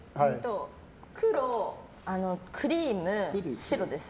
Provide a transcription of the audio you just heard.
黒、クリーム、白です。